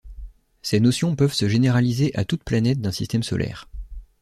Ces notions peuvent se généraliser à toute planète d'un système solaire.